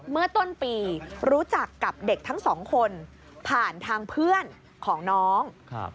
เมื่อต้นปีรู้จักกับเด็กทั้งสองคนผ่านทางเพื่อนของน้อง